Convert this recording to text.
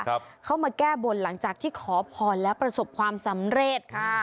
เขามาแก้บนหลังจากที่ขอพรแล้วประสบความสำเร็จค่ะ